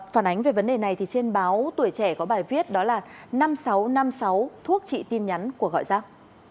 phản ánh về vấn đề này trên báo tuổi trẻ có bài viết đó là năm nghìn sáu trăm năm mươi sáu thuốc trị tin nhắn của gọi rác